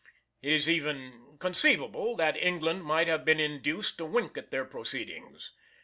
It is even conceivable that England might have been induced to wink at their proceedings.